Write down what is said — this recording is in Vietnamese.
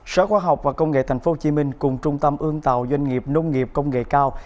sở khoa học và công nghệ tp hcm cùng trung tâm ương tạo doanh nghiệp nông nghiệp công nghệ cao